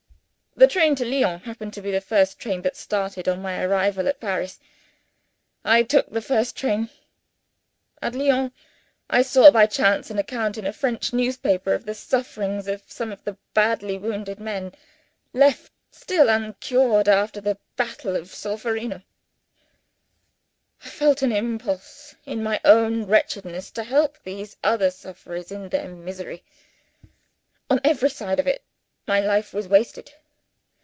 The train to Lyons happened to be the first train that started on my arrival at Paris. I took the first train. At Lyons, I saw by chance an account in a French newspaper of the sufferings of some of the badly wounded men, left still uncured after the battle of Solferino. I felt an impulse, in my own wretchedness, to help these other sufferers in their misery. On every other side of it, my life was wasted.